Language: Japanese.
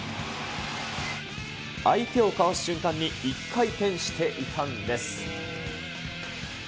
相手をかわす瞬間に、１回転していたんです。